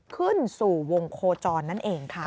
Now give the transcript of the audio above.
ขึ้นสู่วงโคจรนั่นเองค่ะ